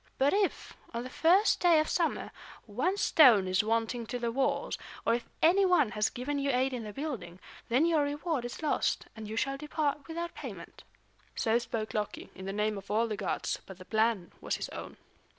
But if, on the first day of summer, one stone is wanting to the walls, or if any one has given you aid in the building, then your reward is lost, and you shall depart without payment." So spoke Loki, in the name of all the gods; but the plan was his own.